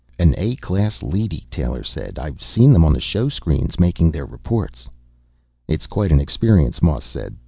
"An A class leady," Taylor said. "I've seen them on the showscreens, making their reports." "It's quite an experience," Moss said.